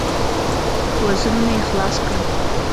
وزرونه يې خلاص کړل.